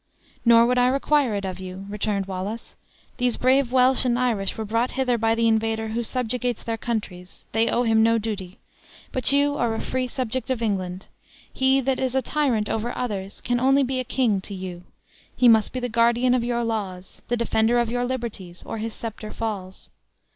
"Nor would I require it of you," returned Wallace; "these brave Welsh and Irish were brought hither by the invader who subjugates their countries; they owe him no duty. But you are a free subject of England; he that is a tyrant over others can only be a king to you; he must be the guardian of your laws, the defender of your liberties, or his scepter falls.